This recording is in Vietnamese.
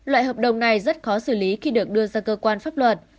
loại hợp đồng này rất khó xử lý khi được đưa ra cơ quan pháp luật